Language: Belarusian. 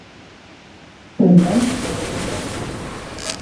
Тэндэнцыя ў іх такая.